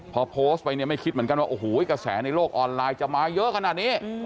พอโพสต์ไปเนี่ยไม่คิดเหมือนกันว่าโอ้โหกระแสในโลกออนไลน์จะมาเยอะขนาดนี้